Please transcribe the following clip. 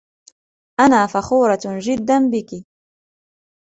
أنا فخورة جداً بكِ.